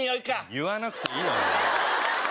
言わなくていいだろお前。